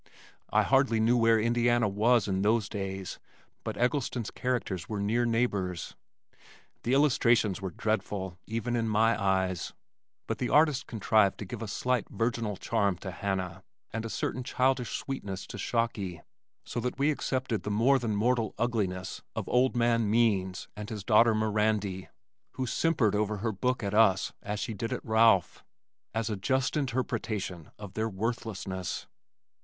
I hardly knew where Indiana was in those days, but Eggleston's characters were near neighbors. The illustrations were dreadful, even in my eyes, but the artist contrived to give a slight virginal charm to Hannah and a certain childish sweetness to Shocky, so that we accepted the more than mortal ugliness of old man Means and his daughter Mirandy (who simpered over her book at us as she did at Ralph), as a just interpretation of their worthlessness.